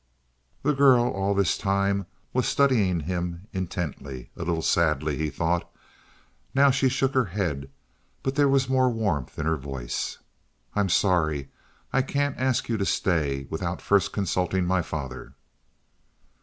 The girl, all this time, was studying him intently, a little sadly, he thought. Now she shook her head, but there was more warmth in her voice. "I'm sorry. I can't ask you to stay without first consulting my father."